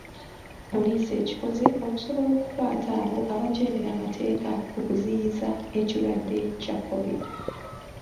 Poliisi ekikoze okusobola okukwata abo abajeemera amateeka ku kuziyiza ekirwadde kya COVID.